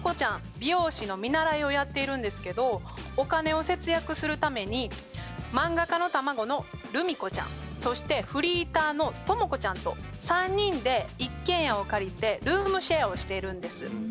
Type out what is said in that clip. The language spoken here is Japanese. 美容師の見習いをやっているんですけどお金を節約するために漫画家の卵のルミコちゃんそしてフリーターのトモコちゃんと３人で一軒家を借りてルームシェアをしているんです。